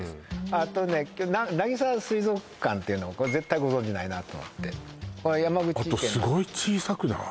あとねなぎさ水族館っていうの絶対ご存じないなと思ってあとすごい小さくない？